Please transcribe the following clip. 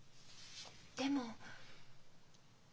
でも。